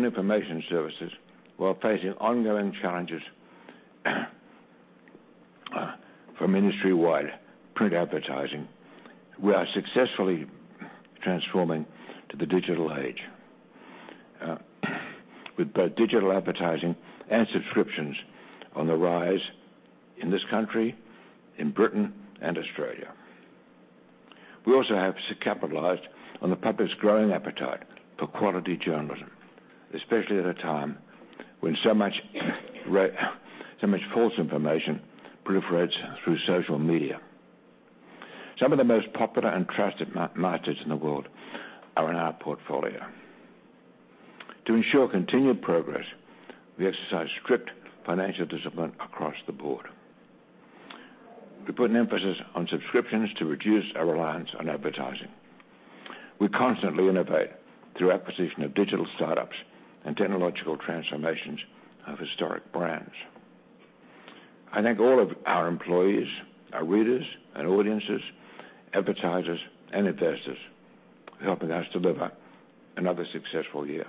In information services, while facing ongoing challenges from industry-wide print advertising, we are successfully transforming to the digital age. With both digital advertising and subscriptions on the rise in this country, in Britain, and Australia. We also have capitalized on the public's growing appetite for quality journalism, especially at a time when so much false information proliferates through social media. Some of the most popular and trusted niches in the world are in our portfolio. To ensure continued progress, we exercise strict financial discipline across the board. We put an emphasis on subscriptions to reduce our reliance on advertising. We constantly innovate through acquisition of digital startups and technological transformations of historic brands. I thank all of our employees, our readers and audiences, advertisers, and investors for helping us deliver another successful year,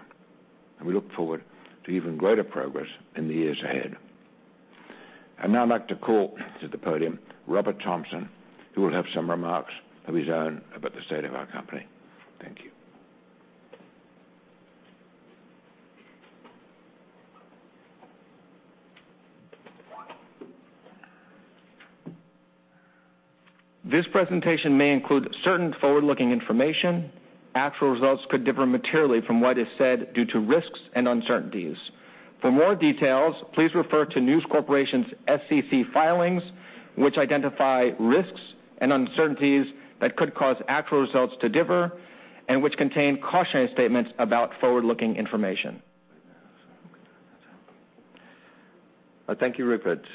and we look forward to even greater progress in the years ahead. I'd now like to call to the podium Robert Thomson, who will have some remarks of his own about the state of our company. Thank you. This presentation may include certain forward-looking information. Actual results could differ materially from what is said due to risks and uncertainties. For more details, please refer to News Corporation's SEC filings, which identify risks and uncertainties that could cause actual results to differ and which contain cautionary statements about forward-looking information. Thank you, Rupert.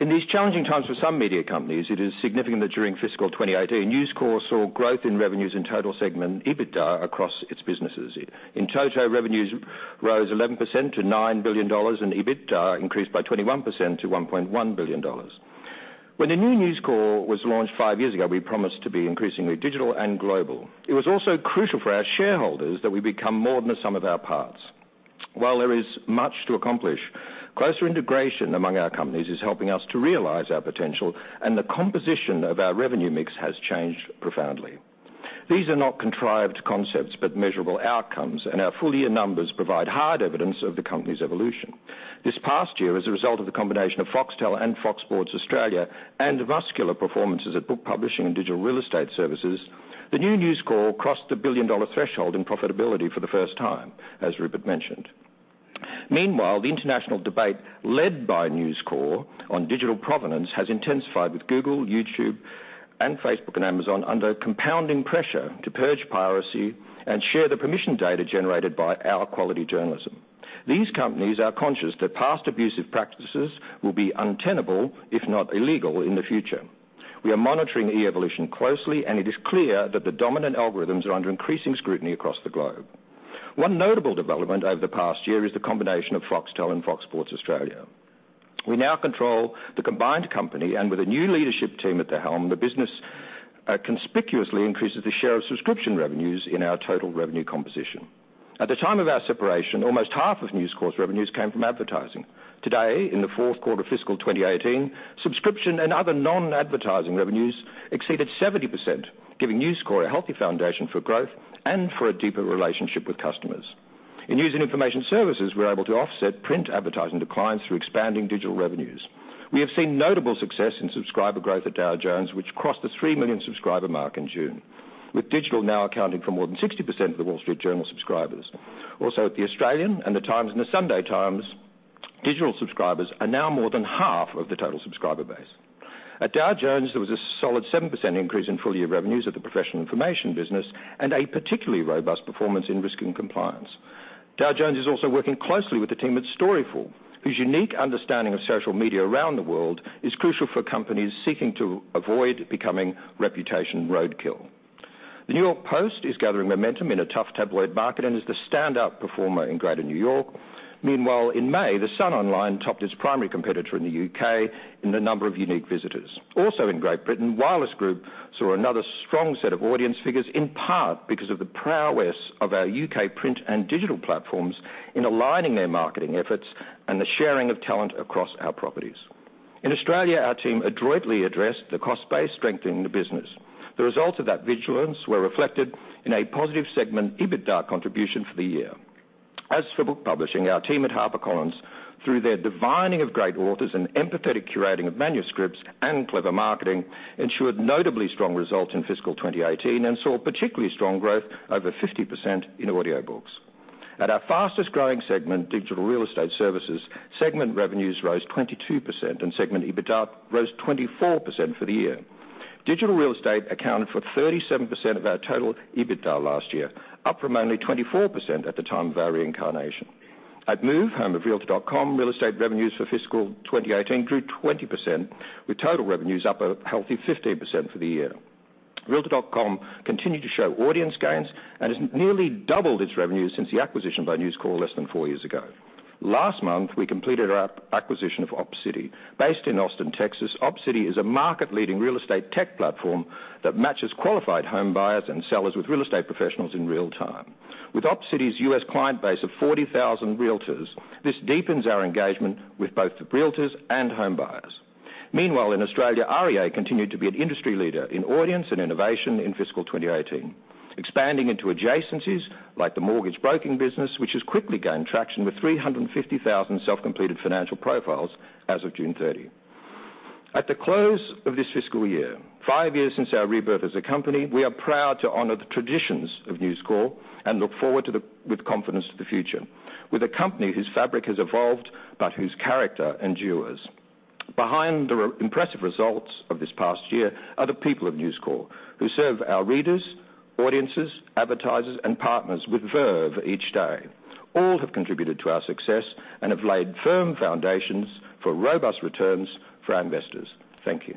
In these challenging times for some media companies, it is significant that during fiscal 2018, News Corp saw growth in revenues in total segment EBITDA across its businesses. In total, revenues rose 11% to $9 billion, and EBITDA increased by 21% to $1.1 billion. When the new News Corp was launched five years ago, we promised to be increasingly digital and global. It was also crucial for our shareholders that we become more than the sum of our parts. While there is much to accomplish, closer integration among our companies is helping us to realize our potential. The composition of our revenue mix has changed profoundly. These are not contrived concepts but measurable outcomes. Our full-year numbers provide hard evidence of the company's evolution. This past year, as a result of the combination of Foxtel and Fox Sports Australia, and muscular performances at book publishing and digital real estate services, the new News Corp crossed the billion-dollar threshold in profitability for the first time, as Rupert mentioned. Meanwhile, the international debate led by News Corp on digital provenance has intensified, with Google, YouTube, and Facebook and Amazon under compounding pressure to purge piracy and share the permission data generated by our quality journalism. These companies are conscious that past abusive practices will be untenable, if not illegal, in the future. We are monitoring the evolution closely. It is clear that the dominant algorithms are under increasing scrutiny across the globe. One notable development over the past year is the combination of Foxtel and Fox Sports Australia. We now control the combined company. With a new leadership team at the helm, the business conspicuously increases the share of subscription revenues in our total revenue composition. At the time of our separation, almost half of News Corp's revenues came from advertising. Today, in the fourth quarter of fiscal 2018, subscription and other non-advertising revenues exceeded 70%, giving News Corp a healthy foundation for growth and for a deeper relationship with customers. In using information services, we're able to offset print advertising declines through expanding digital revenues. We have seen notable success in subscriber growth at Dow Jones, which crossed the three million subscriber mark in June, with digital now accounting for more than 60% of The Wall Street Journal subscribers. Also, at The Australian and The Times and The Sunday Times, digital subscribers are now more than half of the total subscriber base. At Dow Jones, there was a solid 7% increase in full-year revenues of the professional information business and a particularly robust performance in risk and compliance. Dow Jones is also working closely with the team at Storyful, whose unique understanding of social media around the world is crucial for companies seeking to avoid becoming reputation roadkill. The New York Post is gathering momentum in a tough tabloid market and is the standout performer in greater New York. Meanwhile, in May, The Sun online topped its primary competitor in the U.K. in the number of unique visitors. Also in Great Britain, Wireless Group saw another strong set of audience figures, in part because of the prowess of our U.K. print and digital platforms in aligning their marketing efforts and the sharing of talent across our properties. In Australia, our team adroitly addressed the cost base, strengthening the business. The results of that vigilance were reflected in a positive segment EBITDA contribution for the year. As for book publishing, our team at HarperCollins, through their divining of great authors and empathetic curating of manuscripts and clever marketing, ensured notably strong results in fiscal 2018 and saw particularly strong growth, over 50%, in audiobooks. At our fastest-growing segment, digital real estate services, segment revenues rose 22% and segment EBITDA rose 24% for the year. Digital real estate accounted for 37% of our total EBITDA last year, up from only 24% at the time of our reincarnation. At Move, home of realtor.com, real estate revenues for fiscal 2018 grew 20%, with total revenues up a healthy 15% for the year. realtor.com continued to show audience gains and has nearly doubled its revenues since the acquisition by News Corp less than four years ago. Last month, we completed our acquisition of Opcity. Based in Austin, Texas, Opcity is a market-leading real estate tech platform that matches qualified home buyers and sellers with real estate professionals in real time. With Opcity's U.S. client base of 40,000 realtors, this deepens our engagement with both the realtors and home buyers. Meanwhile, in Australia, REA continued to be an industry leader in audience and innovation in FY 2018, expanding into adjacencies like the mortgage broking business, which has quickly gained traction with 350,000 self-completed financial profiles as of June 30. At the close of this fiscal year, five years since our rebirth as a company, we are proud to honor the traditions of News Corp and look forward with confidence to the future, with a company whose fabric has evolved but whose character endures. Behind the impressive results of this past year are the people of News Corp, who serve our readers, audiences, advertisers, and partners with verve each day. All have contributed to our success and have laid firm foundations for robust returns for our investors. Thank you.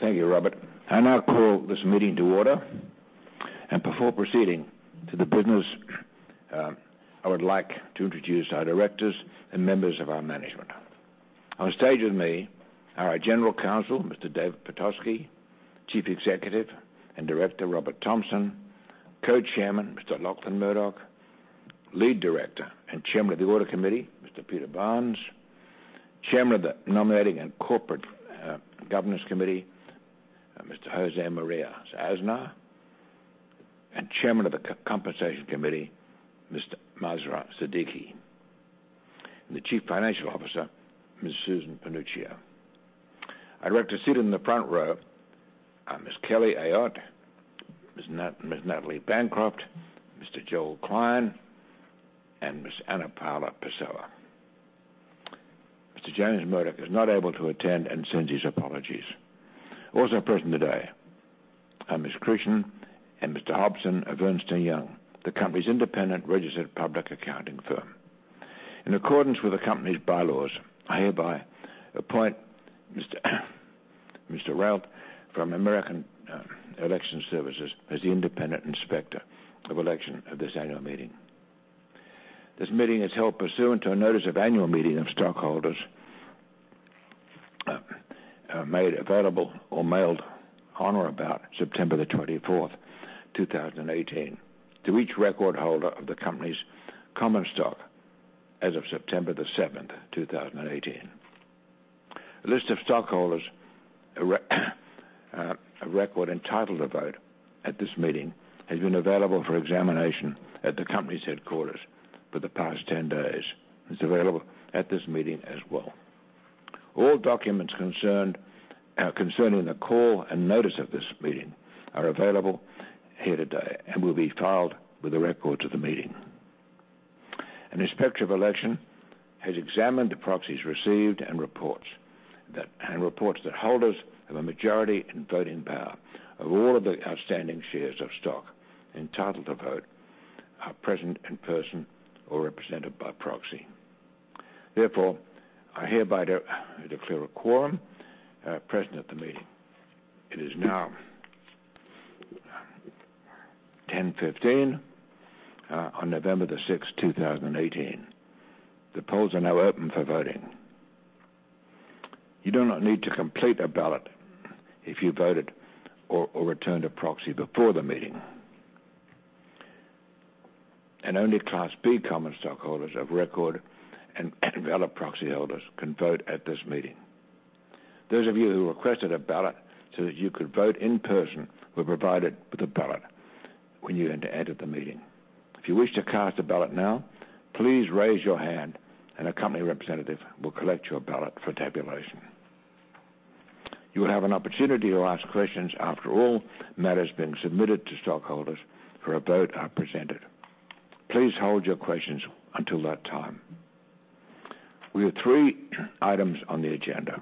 Thank you, Robert. Before proceeding to the business, I would like to introduce our directors and members of our management. On stage with me are our General Counsel, Mr. David Pitofsky; Chief Executive and Director, Robert Thomson; Co-chairman, Mr. Lachlan Murdoch; Lead Director and Chairman of the Audit Committee, Mr. Peter Barnes; Chairman of the Nominating and Corporate Governance Committee, Mr. José María Aznar; and Chairman of the Compensation Committee, Mr. Masroor Siddiqui; and the Chief Financial Officer, Ms. Susan Panuccio. Our directors seated in the front row are Ms. Kelly Ayotte, Ms. Natalie Bancroft, Mr. Joel Klein, and Ms. Ana Paula Pessoa. Mr. James Murdoch was not able to attend and sends his apologies. Also present today are Ms. Krishan and Mr. Hobson of Ernst & Young, the company's independent registered public accounting firm. In accordance with the company's bylaws, I hereby appoint Mr. Ralph from American Election Services as the Independent Inspector of Election of this annual meeting. This meeting is held pursuant to a notice of annual meeting of stockholders, made available or mailed on or about September the 24th, 2018, to each record holder of the company's common stock as of September the 7th, 2018. A list of stockholders, of record entitled to vote at this meeting has been available for examination at the company's headquarters for the past 10 days, and is available at this meeting as well. All documents concerning the call and notice of this meeting are available here today and will be filed with the records of the meeting. An Inspector of Election has examined the proxies received and reports that holders of a majority in voting power of all of the outstanding shares of stock entitled to vote are present in person or represented by proxy. Therefore, I hereby declare a quorum present at the meeting. It is now 10:15 A.M. on November 6, 2018. The polls are now open for voting. You do not need to complete a ballot if you voted or returned a proxy before the meeting. Only Class B common stockholders of record and valid proxy holders can vote at this meeting. Those of you who requested a ballot so that you could vote in person were provided with a ballot when you entered the meeting. If you wish to cast a ballot now, please raise your hand and a company representative will collect your ballot for tabulation. You will have an opportunity to ask questions after all matters being submitted to stockholders for a vote are presented. Please hold your questions until that time. We have three items on the agenda.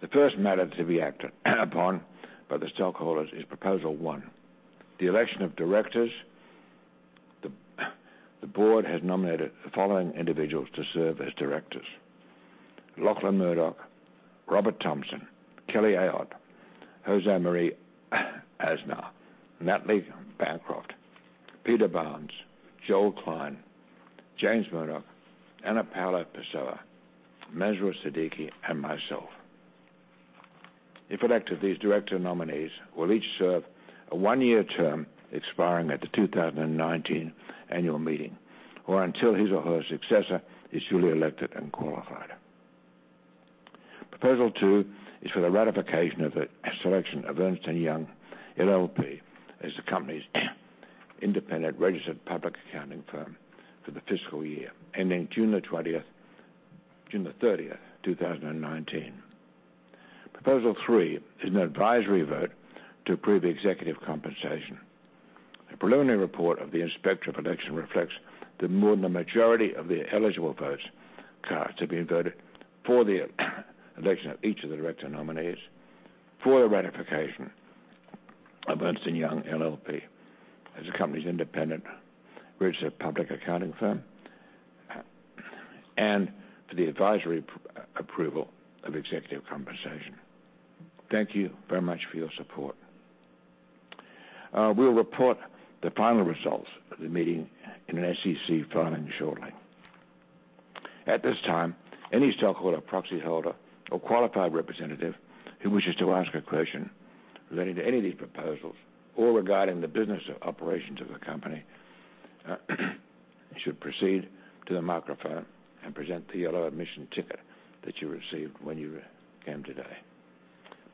The first matter to be acted upon by the stockholders is proposal one, the election of directors. The board has nominated the following individuals to serve as directors: Lachlan Murdoch, Robert Thomson, Kelly Ayotte, José María Aznar, Natalie Bancroft, Peter Barnes, Joel Klein, James Murdoch, Ana Paula Pessoa, Masroor Siddiqui, and myself. If elected, these director nominees will each serve a one-year term expiring at the 2019 annual meeting or until his or her successor is duly elected and qualified. Proposal two is for the ratification of the selection of Ernst & Young LLP as the company's independent registered public accounting firm for the fiscal year ending June 30, 2019. Proposal three is an advisory vote to approve executive compensation. The preliminary report of the Inspector of Election reflects that more than the majority of the eligible votes cast are being voted for the election of each of the director nominees for the ratification of Ernst & Young LLP as the company's independent registered public accounting firm, and for the advisory approval of executive compensation. Thank you very much for your support. We'll report the final results of the meeting in an SEC filing shortly. At this time, any stockholder, proxy holder, or qualified representative who wishes to ask a question relating to any of these proposals or regarding the business operations of the company should proceed to the microphone and present the yellow admission ticket that you received when you came today.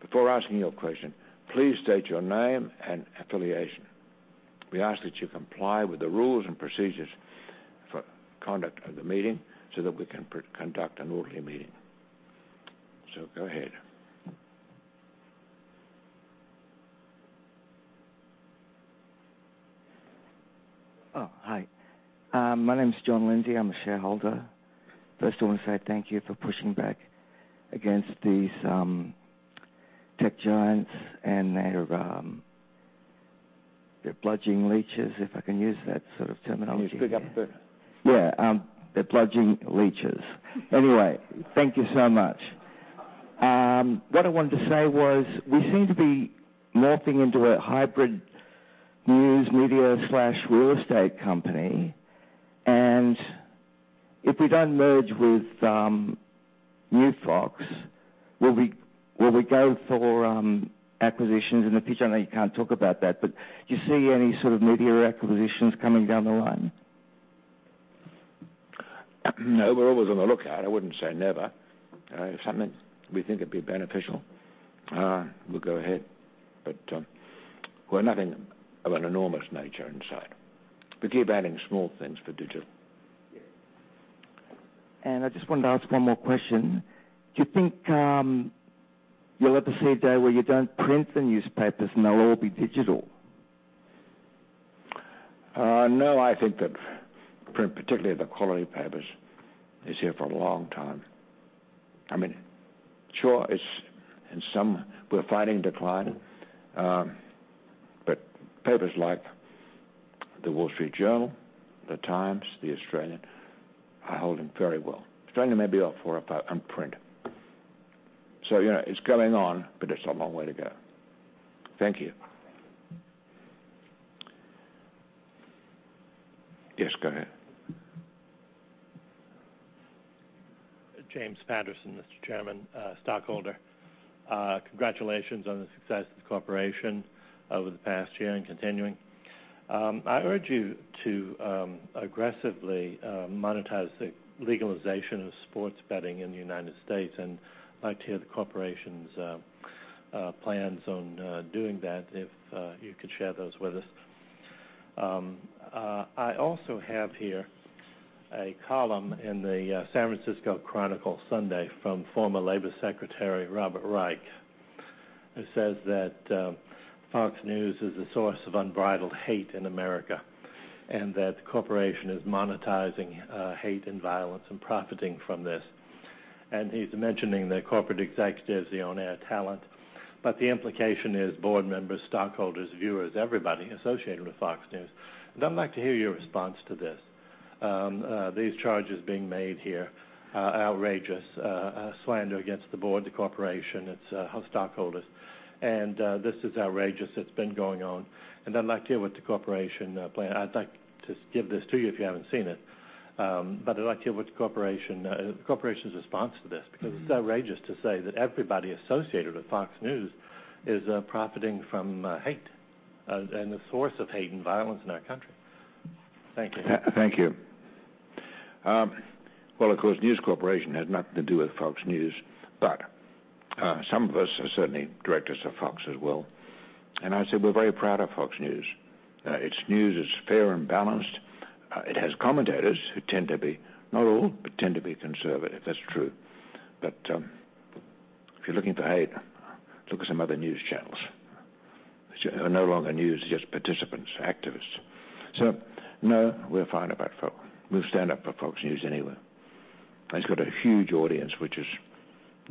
Before asking your question, please state your name and affiliation. We ask that you comply with the rules and procedures for conduct of the meeting so that we can conduct an orderly meeting. Go ahead. Oh, hi. My name's John Lindsay. I'm a shareholder. First, I want to say thank you for pushing back against these tech giants and their bludging leeches, if I can use that sort of terminology. Can you speak up a bit? Yeah. They're bludging leeches. Anyway, thank you so much. What I wanted to say was, we seem to be morphing into a hybrid news media/real estate company. If we don't merge with New Fox, will we go for acquisitions in the future? I know you can't talk about that. Do you see any sort of media acquisitions coming down the line? No, we're always on the lookout. I wouldn't say never. If something we think would be beneficial, we'll go ahead. We've nothing of an enormous nature in sight. We keep adding small things for digital. Yeah. I just wanted to ask one more question. Do you think you'll ever see a day where you don't print the newspapers, and they'll all be digital? No, I think that print, particularly the quality of papers, is here for a long time. Sure, in some we're fighting decline. Papers like The Wall Street Journal, The Times, The Australian, are holding very well. Australian may be up for unprint. It's going on, but it's a long way to go. Thank you. Yes, go ahead. James Patterson, Mr. Chairman, stockholder. Congratulations on the success of the corporation over the past year and continuing. I urge you to aggressively monetize the legalization of sports betting in the U.S. and like to hear the corporation's plans on doing that, if you could share those with us. I also have here a column in the San Francisco Chronicle Sunday from former Labor Secretary Robert Reich, who says that Fox News is a source of unbridled hate in America, and that the corporation is monetizing hate and violence and profiting from this. He's mentioning the corporate executives, the on-air talent. The implication is board members, stockholders, viewers, everybody associated with Fox News. I'd like to hear your response to this. These charges being made here are outrageous, are slander against the board, the corporation, its stockholders, and this is outrageous. It's been going on. I'd like to give this to you if you haven't seen it, but I'd like to hear what the corporation's response to this. It's outrageous to say that everybody associated with Fox News is profiting from hate and the source of hate and violence in our country. Thank you. Thank you. Well, of course, News Corp has nothing to do with Fox News. Some of us are certainly directors of Fox as well, and I say we're very proud of Fox News. Its news is fair and balanced. It has commentators who tend to be, not all, but tend to be conservative. That's true. If you're looking for hate, look at some other news channels. They're no longer news, just participants, activists. No, we're fine about Fox. We'll stand up for Fox News anywhere. It's got a huge audience, which is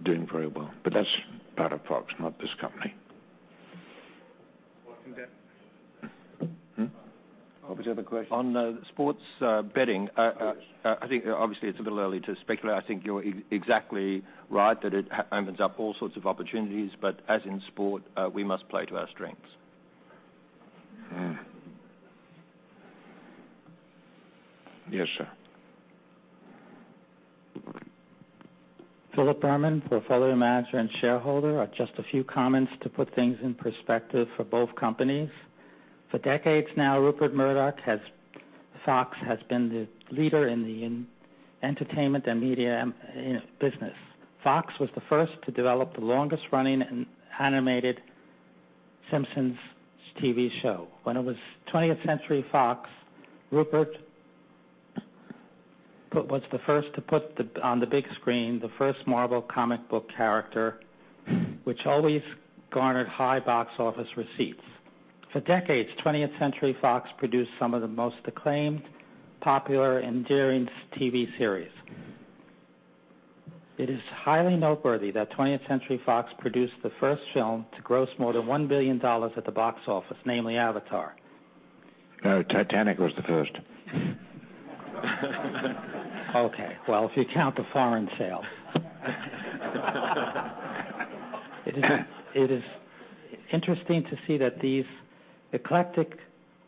doing very well. That's part of Fox, not this company. Washington. Robert, you have a question? On sports betting- Yes I think obviously it's a little early to speculate. I think you're exactly right that it opens up all sorts of opportunities, but as in sport, we must play to our strengths. Yes, sir. Philip Berman, portfolio manager and shareholder. Just a few comments to put things in perspective for both companies. For decades now, Rupert Murdoch Fox has been the leader in the entertainment and media business. Fox was the first to develop the longest-running animated The Simpsons TV show. When it was 20th Century Fox, Rupert was the first to put on the big screen the first Marvel comic book character, which always garnered high box office receipts. For decades, 20th Century Fox produced some of the most acclaimed, popular, endearing TV series. It is highly noteworthy that 20th Century Fox produced the first film to gross more than $1 billion at the box office, namely "Avatar. No, "Titanic" was the first. Okay. Well, if you count the foreign sales. It is interesting to see that these eclectic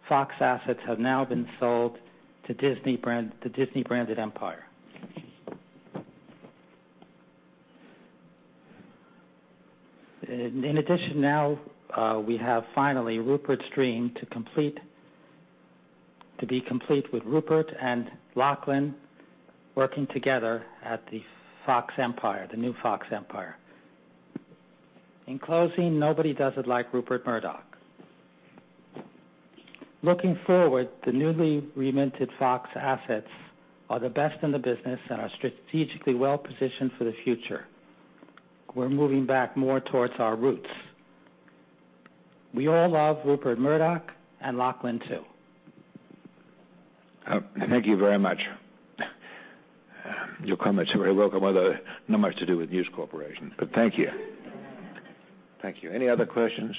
Fox assets have now been sold to the Disney-branded empire. In addition, now we have finally Rupert's dream to be complete with Rupert and Lachlan working together at the Fox empire, the new Fox empire. In closing, nobody does it like Rupert Murdoch. Looking forward, the newly reminted Fox assets are the best in the business and are strategically well-positioned for the future. We're moving back more towards our roots. We all love Rupert Murdoch and Lachlan too. Thank you very much. Your comments are very welcome, although not much to do with News Corporation, thank you. Thank you. Any other questions?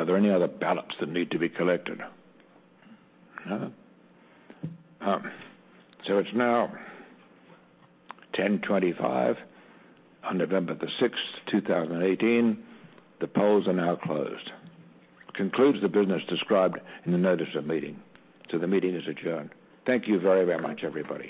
Are there any other ballots that need to be collected? No. It's now 10:25 on November the 6th, 2018. The polls are now closed. Concludes the business described in the notice of meeting. The meeting is adjourned. Thank you very, very much, everybody.